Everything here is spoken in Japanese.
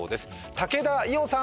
武田伊央さん